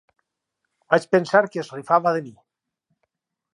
Vaig pensar que es rifava de mi.